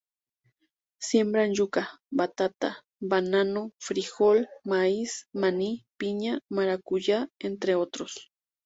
Siembran yuca, batata, banano, fríjol, maíz, maní, piña y maracuyá, entre otros.